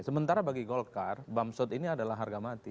sementara bagi golkar bamsud ini adalah harga mati